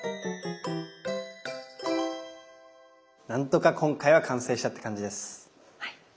何とか今回は完成したって感じです。